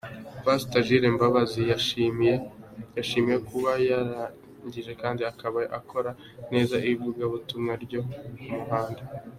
Pastor Jules Mbabazi yashimiwe kuba yaratangije kandi akaba akora neza ivugabutumwa ryo ku muhanda.